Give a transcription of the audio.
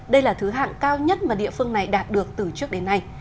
đây là thứ hạng cao nhất mà địa phương này đạt được từ trước đến nay